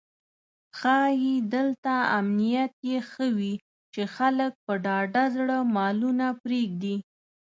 ښایي دلته امنیت یې ښه وي چې خلک په ډاډه زړه مالونه پرېږدي.